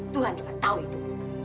tuhan juga tahu itu